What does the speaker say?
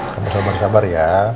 kamu harus sabar sabar ya